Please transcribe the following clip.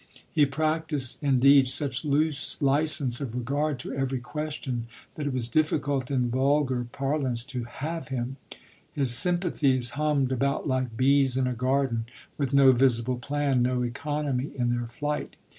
He practised indeed such loose license of regard to every question that it was difficult, in vulgar parlance, to "have" him; his sympathies hummed about like bees in a garden, with no visible plan, no economy in their flight.